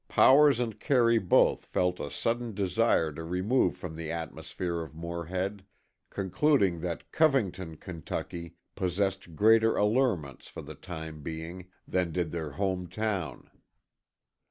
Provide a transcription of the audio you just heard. Powers and Carey both felt a sudden desire to remove from the atmosphere of Morehead, concluding that Covington, Kentucky, possessed greater allurements for the time being than did their home town.